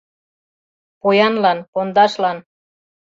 Поянлан, Пондашлан